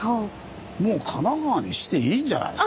もう神奈川にしていいんじゃないですかね。